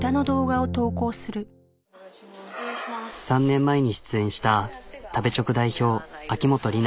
３年前に出演した食べチョク代表秋元里奈。